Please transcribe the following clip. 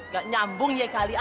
gak nyambung ya kali aja